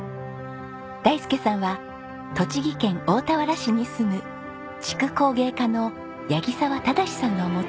大介さんは栃木県大田原市に住む竹工芸家の八木澤正さんのもとに弟子入り。